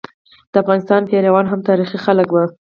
د افغانستان پيروان هم تاریخي خلک وو.